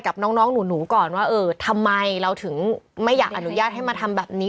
กับน้องหนูก่อนว่าเออทำไมเราถึงไม่อยากอนุญาตให้มาทำแบบนี้